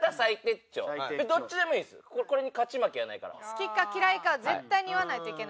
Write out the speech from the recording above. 好きか嫌いか絶対に言わないといけない。